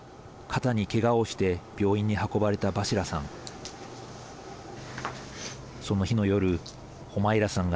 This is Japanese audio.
肩に、けがをして病院に運ばれたバシラさん。